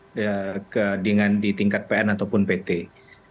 apakah dia menguatkan atau sama dengan dpn atau malah berbeda